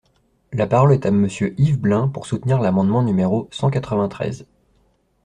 La parole est à Monsieur Yves Blein, pour soutenir l’amendement numéro cent quatre-vingt-treize.